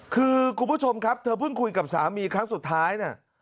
คือคุณผู้ชมครับเมื่อวันเสาร์คุยกับสามีครั้งสุดท้าย